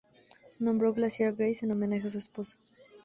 Nombró Glaciar Grace en homenaje a su esposa.